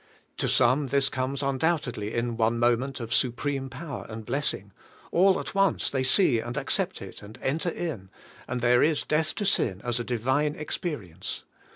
To some this comes undoubtedl}' in one moment of supreme power and blessing; all at once they see and ac cept it, and enter in, and there is death to sin as a Divine experience.